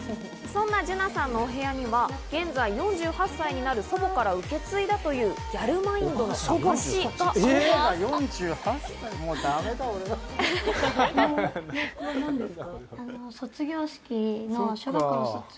そんな樹菜さんの部屋には現在４８歳になる祖母から受け継いだというギャルマインドの証があります。